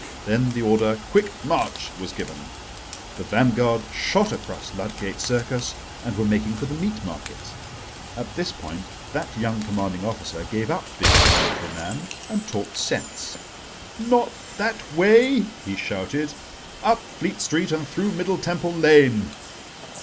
Then the order "Quick march!" was given. The vanguard shot across Ludgate Circus, and were making for the Meat Market. At this point that young commanding officer gave up being a military man and talked sense. "Not that way," he shouted: "up Fleet Street and through Middle Temple Lane."